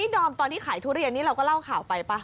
ดอมตอนที่ขายทุเรียนนี้เราก็เล่าข่าวไปป่ะ